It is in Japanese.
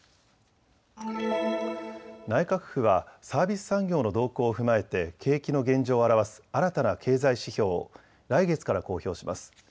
内閣府はサービス産業の動向を踏まえて景気の現状を表す新たな経済指標を来月から公表します。